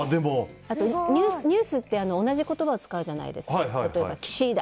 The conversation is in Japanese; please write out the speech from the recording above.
あと、ニュースって同じ言葉を使うじゃないですか。